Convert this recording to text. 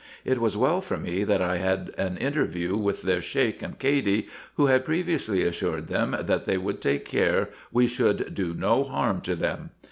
It was well for me that I had had an interview with their Sheik and Cady, who had previously assured them that they would take care we should do no harm to them.